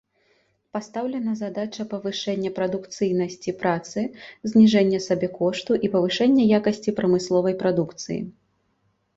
Пастаўлена задача павышэння прадукцыйнасці працы, зніжэння сабекошту і павышэння якасці прамысловай прадукцыі.